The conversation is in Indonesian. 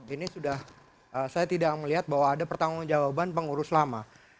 ini sudah saya tidak melihat bahwa ada pertanggung jawaban pengurus lama